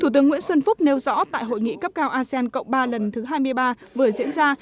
thủ tướng nguyễn xuân phúc nêu rõ tại hội nghị cấp cao asean cộng ba lần thứ hai mươi ba vừa diễn ra